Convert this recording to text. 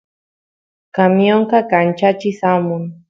camionqa kanchachis amun